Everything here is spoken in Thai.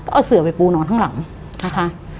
เอาเสือไปปูนอนข้างหลังนะคะ